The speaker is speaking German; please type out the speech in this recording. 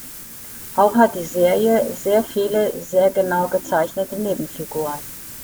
Auch hat die Serie sehr viele sehr genau gezeichnete Nebenfiguren.